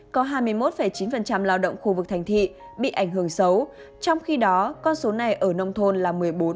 có hai mươi một chín lao động khu vực thành thị bị ảnh hưởng xấu trong khi đó con số này ở nông thôn là một mươi bốn